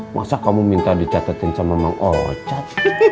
masa kamu minta dicatatin sama mang ocat